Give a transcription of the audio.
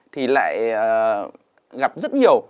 thì lại gặp rất nhiều